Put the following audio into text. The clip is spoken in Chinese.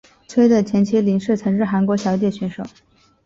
崔的前妻林氏曾是韩国小姐选手。